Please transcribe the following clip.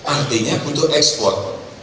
artinya butuh ekspor